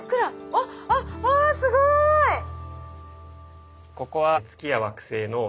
あっあっあすごい！へえ。